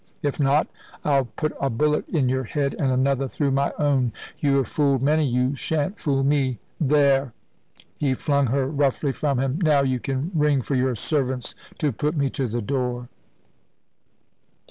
If not, I'll put a bullet in your head and another through my own. You have fooled many, you shan't fool me. There!" ha flung her roughly from him; "now you can ring for your servants, to put me to the door."